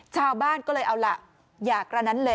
ชาวบ้านก็เลยเอาล่ะอย่ากระนั้นเลย